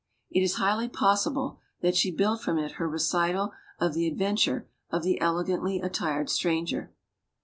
It is highly possible that she built from it her recital of the adventure of the "elegantly attired" stranger.